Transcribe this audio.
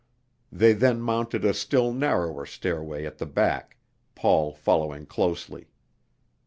They then mounted a still narrower stairway at the back, Paul following closely.